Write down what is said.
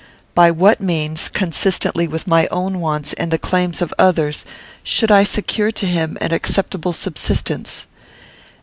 By what means, consistently with my own wants and the claims of others, should I secure to him an acceptable subsistence?